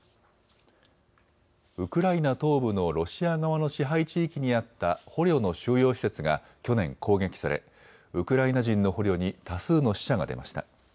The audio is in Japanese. ウクライナ東部のロシア側の支配地域にあった捕虜の収容施設が去年、攻撃されウクライナ人の捕虜に多数の死者が出ました。